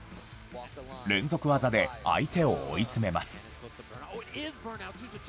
連続技で相手を追い詰めます。